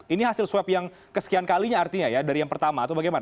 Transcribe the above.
ini hasil swab yang kesekian kalinya artinya ya dari yang pertama atau bagaimana